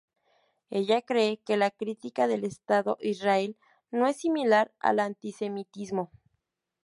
Ella cree que la crítica del estado Israel no es similar al antisemitismo.